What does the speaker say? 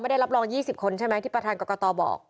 ได้รับรอง๒๐คนใช่ไหมที่ประธานกรกตบอก